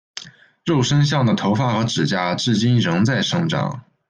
肉身像的头发和指甲至今仍在生长。